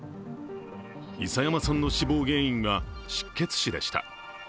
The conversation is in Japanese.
諌山さんの死亡原因は失血死でした。